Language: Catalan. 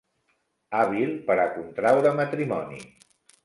Hàbil per a contraure matrimoni.